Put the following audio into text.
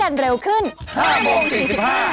อ้าวแล้วคุณเนี่ย